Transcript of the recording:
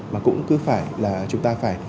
mà cũng cứ phải là chúng ta phải